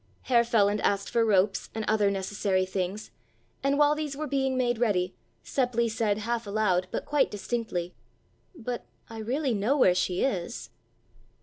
Herr Feland asked for ropes and other necessary things, and while these were being made ready Seppli said half aloud but quite distinctly: "But I really know where she is."